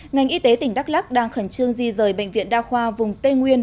ngành y tế tỉnh đắk lắc đang khẩn trương di rời bệnh viện đa khoa vùng tây nguyên